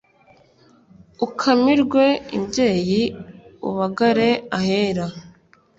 Ukamirwe imbyeyi ubagare ahera